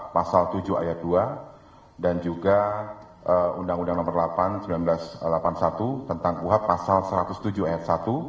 pasal tujuh ayat dua dan juga undang undang nomor delapan seribu sembilan ratus delapan puluh satu tentang kuhab pasal satu ratus tujuh ayat satu